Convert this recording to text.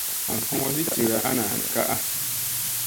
Nam hoŋozi dira ana an kaʼa.